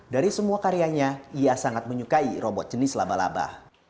dari semua karyanya ia sangat menyukai robot jenis laba laba